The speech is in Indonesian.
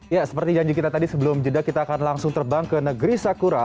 ya seperti janji kita tadi sebelum jeda kita akan langsung terbang ke negeri sakura